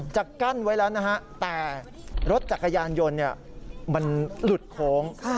จะกั้นไว้แล้วนะฮะแต่รถจักรยานยนต์มันหลุดโค้ง